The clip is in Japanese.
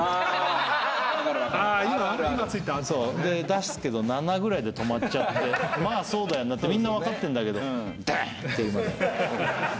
出すけど７ぐらいで止まってまあそうだよなってみんな分かってんだけどダーン！っていう。